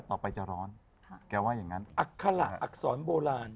ต่อไปจะร้อนแกว่าอย่างงั้นอัคระอักษรโบราณ